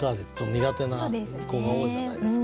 苦手な子が多いじゃないですか。